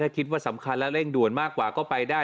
คิดว่าสำคัญและเร่งด่วนมากกว่าก็ไปได้